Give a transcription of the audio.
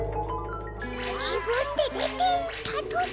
じぶんででていったとか！？